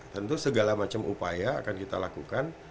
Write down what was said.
tentu segala macam upaya akan kita lakukan